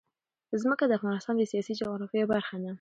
ځمکه د افغانستان د سیاسي جغرافیه برخه ده.